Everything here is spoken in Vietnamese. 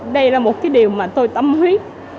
đây là một điều mà tôi tâm huyết